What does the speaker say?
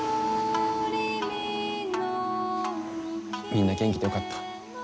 みんな元気でよかった。